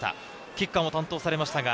キッカーも担当しましたが。